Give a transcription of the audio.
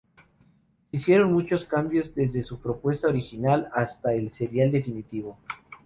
Se hicieron muchos cambios desde su propuesta original hasta el serial definitivo.